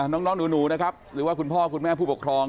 น้องหนูนะครับหรือว่าคุณพ่อคุณแม่ผู้ปกครอง